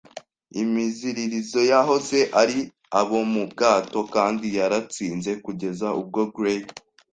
imiziririzo yahoze ari abo mu bwato, kandi yaratsinze kugeza ubwo Gray